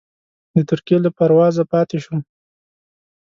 د ترکیې له پروازه پاتې شوم.